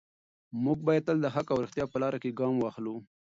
موږ باید تل د حق او ریښتیا په لاره کې ګام واخلو.